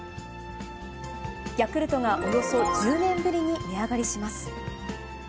ヤクルトがおよそ１０年ぶりに値上がりします。